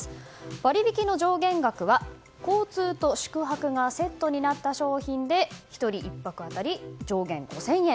割引の上限額は交通と宿泊がセットになった商品で１人１泊辺り上限５０００円。